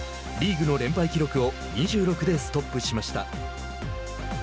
リーグの連敗記録を２６でストップしました。